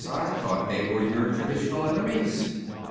I thought they were your traditional enemies."